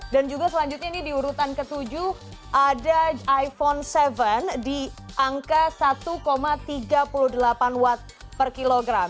dan juga selanjutnya ini di urutan ke tujuh ada iphone tujuh di angka satu tiga puluh delapan watt per kilogram